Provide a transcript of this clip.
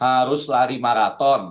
harus lari maraton